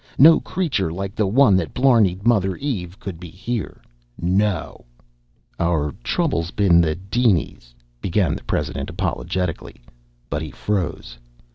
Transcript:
No creature like the one that blarneyed Mother Eve could be here! No " "Our trouble's been dinies," began the president apologetically. But he froze.